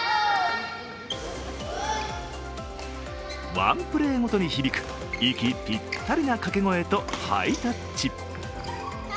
ワンプレーごとに響く息ぴったりなかけ声とハイタッチ。